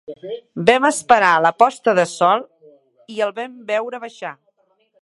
Vam esperar la posta de sol i el vam veure baixar.